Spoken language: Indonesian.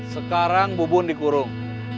sekarang bubun dikurung